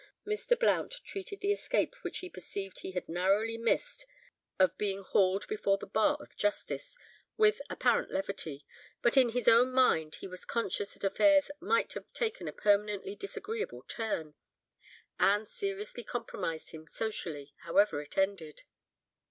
Ha! Ha!" Mr. Blount treated the escape which he perceived he had narrowly missed of being hauled before the bar of justice, with apparent levity, but in his own mind, he was conscious that affairs might have taken a permanently disagreeable turn, and seriously compromised him socially, however it ended.